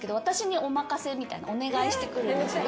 お願いしてくるんですよ。